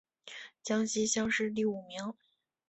江西乡试第五名。